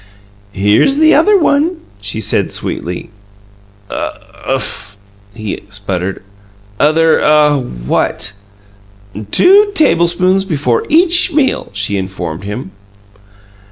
"Here's the other one," she said sweetly. "Uuf!" he sputtered. "Other uh what?" "Two tablespoons before each meal," she informed him.